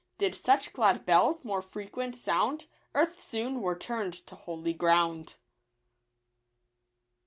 Did such glad bells more frequent sound, Earth soon were turn'd to holy ground.